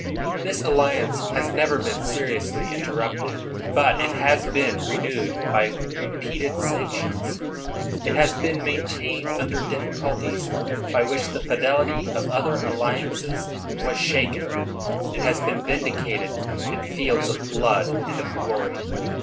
This alliance has never been seriously interrupted, but it has been renewed by repeated sanctions. It has been maintained under difficulties by which the fidelitj' of other alliances was shaten, and has been vindicated in fields of blood and of glory.